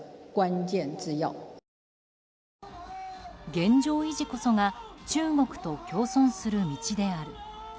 現状維持こそが中国と共存する道である。